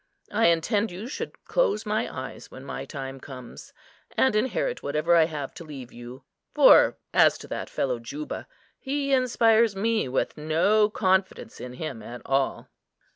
I intend you should close my eyes when my time comes, and inherit whatever I have to leave you; for as to that fellow Juba, he inspires me with no confidence in him at all."